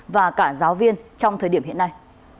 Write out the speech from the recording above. và cả giáo viên trong thời điểm hiện nay